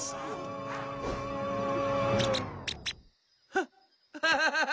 ハハハハハ！